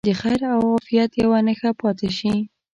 د خیر او عافیت یوه نښه پاتې شي.